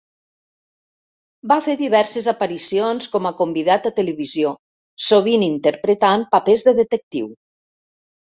Va fer diverses aparicions com a convidat a televisió, sovint interpretant papers de detectiu.